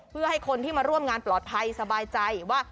เพื่อให้คนที่มาร่วมงานปลอดภัยสบายใจว่า